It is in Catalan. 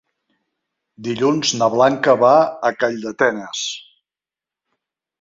Dilluns na Blanca va a Calldetenes.